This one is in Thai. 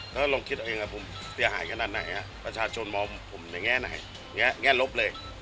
ในแง่ไหนแง่ลบเลย